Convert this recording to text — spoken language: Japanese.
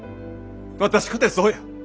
私かてそうや！